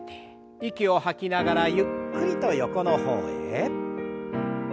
息を吐きながらゆっくりと横の方へ。